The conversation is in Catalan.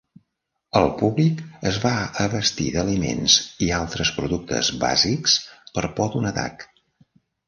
El públic es va abastir d'aliments i altres productes bàsics per por d'un atac.